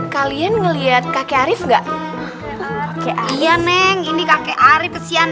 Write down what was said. kalian ngeliat kakek arief enggak kayak iya neng ini kakek arief kesian